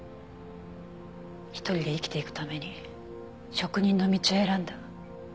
一人で生きていくために職人の道を選んだ。